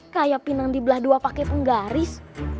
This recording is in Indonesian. kayak pinang dibelah dua pake penggaris